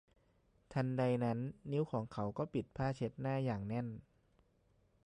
ทันใดนั้นนิ้วของเขาก็ปิดผ้าเช็ดหน้าอย่างแน่น